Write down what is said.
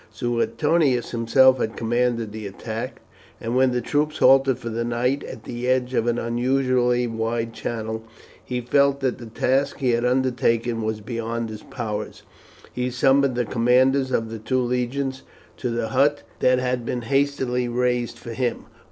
Suetonius himself had commanded the attack, and when the troops halted for the night at the edge of an unusually wide channel, he felt that the task he had undertaken was beyond his powers. He summoned the commanders of the two legions to the hut that had been hastily raised for him.